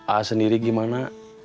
aak sendiri gimana